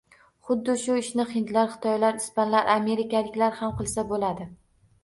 Xuddi shu ishni hindlar, xitoylar, ispanlar, amerikaliklar ham qilsa bo‘ladi.